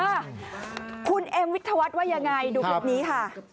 อ่ะคุณเอ็มวิทยาวัฒน์ว่ายังไงดูคลิปนี้ค่ะ